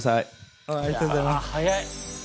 早い。